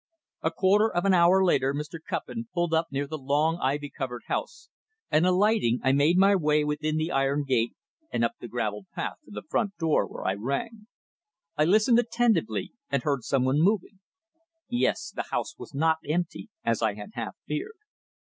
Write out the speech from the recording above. A quarter of an hour later Mr. Cuppin pulled up near the long, ivy covered house, and, alighting, I made my way within the iron gate and up the gravelled path to the front door, where I rang. I listened attentively, and heard someone moving. Yes, the house was not empty, as I had half feared.